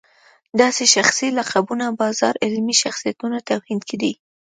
داسې شخصي لقبونو بازار علمي شخصیتونو توهین کړی.